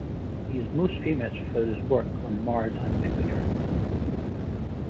He is most famous for his work on Mars and Jupiter.